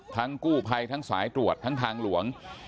กู้ภัยทั้งสายตรวจทั้งทางหลวง